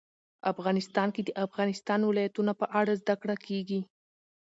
افغانستان کې د د افغانستان ولايتونه په اړه زده کړه کېږي.